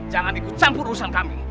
jangan ikut campur urusan kami